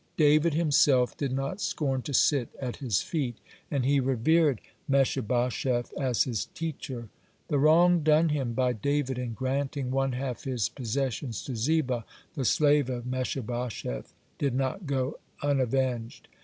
David himself did not scorn to sit at his feet, and he revered Mephibosheth as his teacher. (111) The wrong done him by David in granting one half his possessions to Ziba, the slave of Mephibosheth, did not go unavenged.